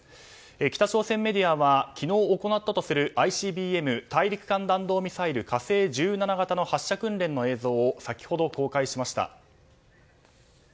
北朝鮮メディアは昨日行ったとするＩＣＢＭ・大陸間弾道ミサイル「火星１７型」の発射訓練の映像を先ほど公開しました。